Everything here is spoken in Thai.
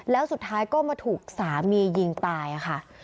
แล้วสุดท้ายก็มาถูกสามียิงตายค่ะ